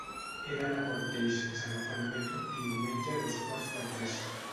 He d'anar a Quartell sense agafar el metro diumenge a dos quarts de tres.